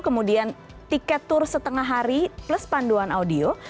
kemudian tiket tour setengah hari plus panduan audio